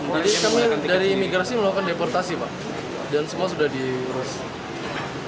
benjamin holtz dari imigrasi melakukan deportasi dan semua sudah diurus